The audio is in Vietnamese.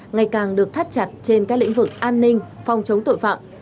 ngày càng được thắt chặt trên các lĩnh vực an ninh phòng chống tội phạm